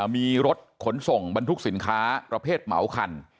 มีรถขนส่งบรรทุกสินค้าประเภทเหมาคัน